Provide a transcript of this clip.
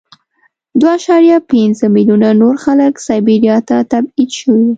دوه اعشاریه پنځه میلیونه نور خلک سایبریا ته تبعید شوي وو